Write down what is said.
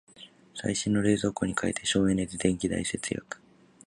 最新の冷蔵庫に替えて省エネで電気代節約